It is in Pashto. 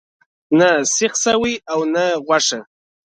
نه سیخ سوی او نه غوښه.